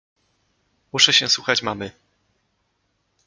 Muszę się słuchać mamy.